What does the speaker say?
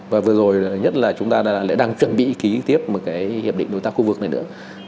và vừa rồi nhất là chúng ta lại đang chuẩn bị ký tiếp một cái hiệp định đối tác khu vực này nữa